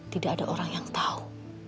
tidak ada orang yang tahu